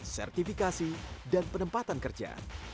sertifikasi dan penempatan kerja